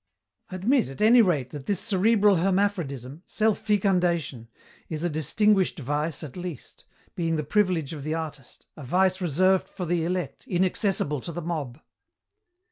"Admit, at any rate, that this cerebral hermaphrodism, self fecundation, is a distinguished vice at least being the privilege of the artist a vice reserved for the elect, inaccessible to the mob."